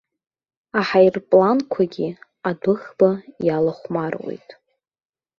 Аҳаирпланқәагьы адәыӷба иалахәмаруеит.